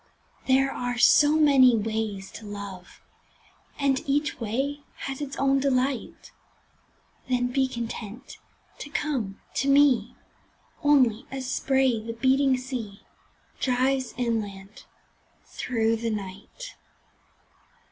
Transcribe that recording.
There are so many ways to love And each way has its own delight Then be content to come to me Only as spray the beating sea Drives inland through the night.